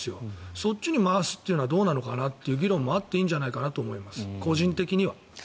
そっちに回すというのはどうなのかなっていう議論もあっていいんじゃないかなと思います、個人的には。